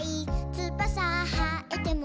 「つばさはえても」